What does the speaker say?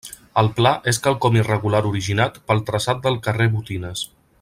El pla és quelcom irregular originat pel traçat del carrer Botines.